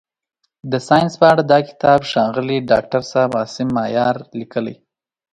د ساینس په اړه دا کتاب ښاغلي داکتر صاحب عاصم مایار لیکلی.